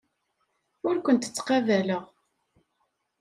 Ur kent-ttqabaleɣ.